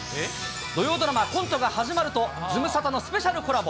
土曜ドラマ、コントが始まるとズムサタのスペシャルコラボ。